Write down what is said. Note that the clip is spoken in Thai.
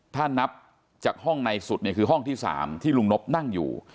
ถ้านับจากห้องในสุดเนี่ยคือห้องที่๓ที่ลุงนบนั่งอยู่